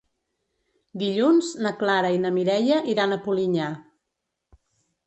Dilluns na Clara i na Mireia iran a Polinyà.